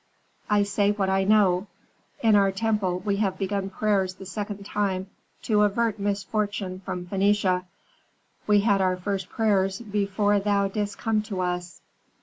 "I say what I know. In our temple we have begun prayers the second time to avert misfortune from Phœnicia. We had our first prayers before thou didst come to us."